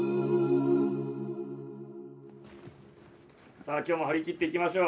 さあ今日も張り切っていきましょう。